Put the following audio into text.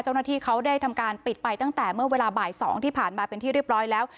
เจ้าหน้าที่เขาได้ทำการปิดไปตั้งแต่เมื่อเวลาบ่าย๒ที่ผ่านมาเป็นที่เรียบร้อยแล้ว